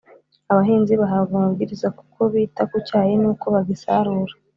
Abahinzi bahabwa amabwiriza ku ko bita ku cyayi n’uko bagisarura